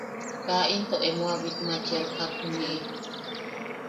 Kaa into emo a bitmachian jak juniʼi.